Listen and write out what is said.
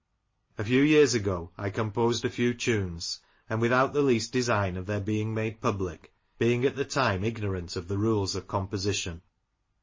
A few years ago I composed a few tunes, and without the least design of their being made public, being at the time ignorant of the rules of composition.